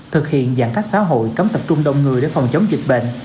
thực hiện giãn cách xã hội cấm tập trung đông người để phòng chống dịch bệnh